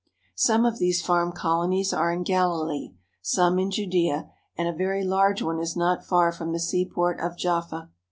Some of these farm colonies are in Galilee, some in Judea, and a very large one is not far from the seaport of Jaffa.